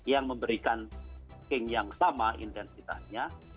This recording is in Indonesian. yang memberikan keng yang sama intensitanya